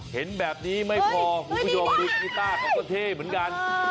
เห็นแบบนี้ไม่พอผู้ยอมมือกีตาร์เขาก็เทเหมือนกัน